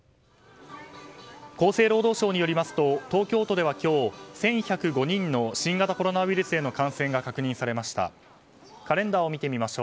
厚生労働省によりますと東京都では今日、１１０５人の新型コロナウイルスへの感染が確認されました。